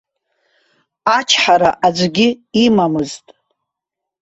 Ачҳара аӡәгьы имамызт.